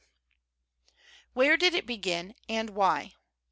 Where Did It Begin and Why?